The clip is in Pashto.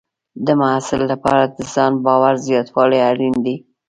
د محصل لپاره د ځان باور زیاتول اړین دي.